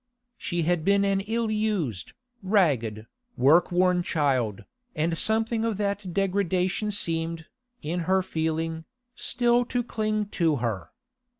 She had been an ill used, ragged, work worn child, and something of that degradation seemed, in her feeling, still to cling to her.